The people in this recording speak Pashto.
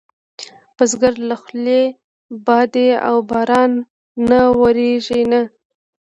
بزګر له خولې، بادې او بارانه نه وېرېږي نه